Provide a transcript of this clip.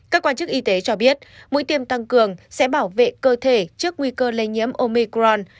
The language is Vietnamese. các quan chức y tế cho biết mũi tiêm tăng cường sẽ bảo vệ cơ thể trước nguy cơ lây nhiễm omicron